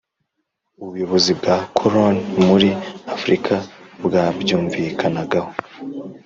Ubuyobozi bwa Koroni muri Afurika bwabyumvikanagaho